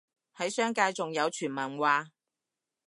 喺商界仲有傳聞話